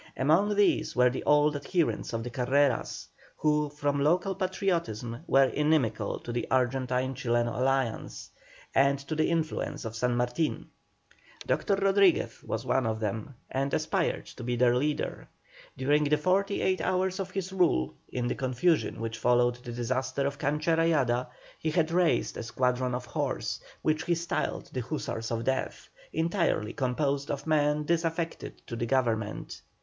Among these were the old adherents of the Carreras, who from local patriotism were inimical to the Argentine Chileno Alliance, and to the influence of San Martin. Dr. Rodriguez was one of them, and aspired to be their leader. During the forty eight hours of his rule, in the confusion which followed the disaster of Cancha Rayada, he had raised a squadron of horse, which he styled the Hussars of Death, entirely composed of men disaffected to the Government.